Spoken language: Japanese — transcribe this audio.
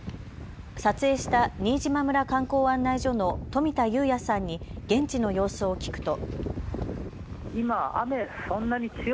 撮影した新島村観光案内所の富田裕也さんに現地の様子を聞くと。